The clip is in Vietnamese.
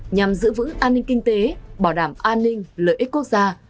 nhằm giữ vững an ninh kinh tế bảo đảm an ninh lợi ích quốc gia